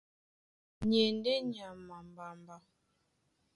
Ni e ndé nyama a mbamba.